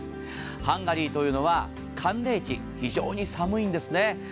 ハンガリーというのは寒冷地、非常に寒いんですね。